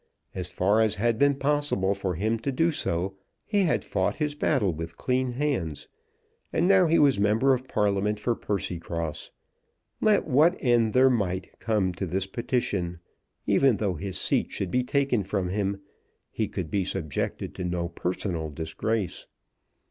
As far as had been possible for him to do so, he had fought his battle with clean hands, and now he was member of Parliament for Percycross. Let what end there might come to this petition, even though his seat should be taken from him, he could be subjected to no personal disgrace.